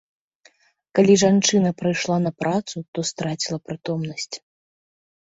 Калі жанчына прыйшла на працу, то страціла прытомнасць.